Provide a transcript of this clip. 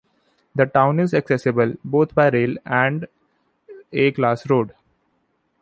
The town is accessible both by rail and an A class road.